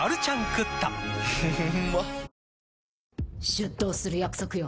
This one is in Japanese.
出頭する約束よ。